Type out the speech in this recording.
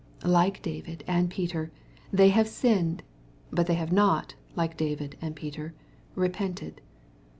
Like David and Peter, they have sinned, but they have not, like David and Peter, repented.